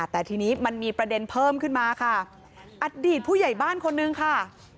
แต่ทีนี้มันมีประเด็นเพิ่มขึ้นมาค่ะอดีตผู้ใหญ่บ้านคนนึงค่ะ